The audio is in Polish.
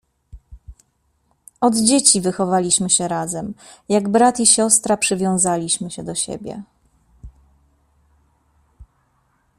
"Od dzieci wychowaliśmy się razem, jak brat i siostra przywiązaliśmy się do siebie."